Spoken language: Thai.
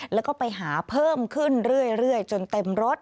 แล้วก็ไปหาเพิ่มขึ้นเรื่อยจนเต็มรถ